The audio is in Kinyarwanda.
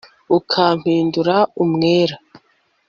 ukampindura umwere